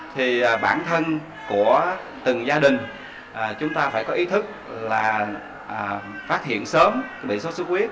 thì bản thân của từng gia đình chúng ta phải có ý thức là phát hiện sớm bị sốt xuất huyết